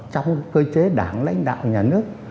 trong cơ chế đảng lãnh đạo nhà nước